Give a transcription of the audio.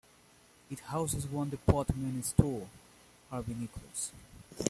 It houses one department store, Harvey Nichols.